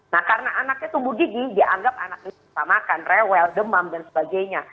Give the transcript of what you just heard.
nah karena anaknya tumbuh gigi dianggap anaknya susah makan rewel demam dan sebagainya